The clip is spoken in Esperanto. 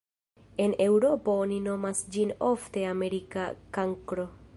En Eŭropo oni nomas ĝin ofte "Amerika kankro".